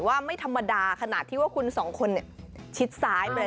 ว่าไม่ธรรมดาขนาดที่ว่าคุณสองคนชิดซ้ายเลย